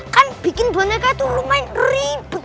kan bikin boneka itu lumayan ribet